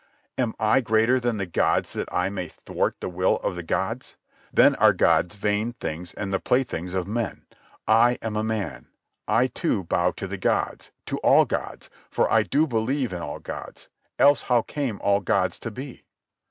"Am I greater than the gods that I may thwart the will of the gods? Then are gods vain things and the playthings of men. I am a man. I, too, bow to the gods, to all gods, for I do believe in all gods, else how came all gods to be?"